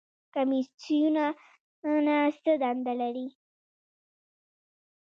کمیسیونونه څه دنده لري؟